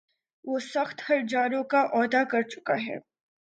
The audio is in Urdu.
وہ سخت ہرجانوں کا وعدہ کر چُکا ہے